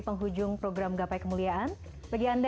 pemirsa jangan kemana mana